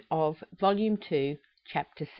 Volume Two, Chapter VII.